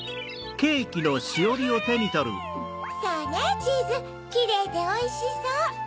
そうねチーズキレイでおいしそう。